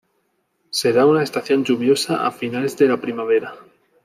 Se da una estación lluviosa a finales de la primavera.